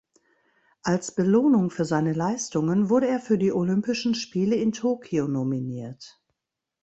Als Belohnung für seine Leistungen wurde er für die Olympischen Spiele in Tokio nominiert.